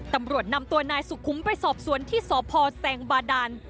ตำรวจนำตัวนายสุขุมไปสอบสวนที่สพแซงบาดาน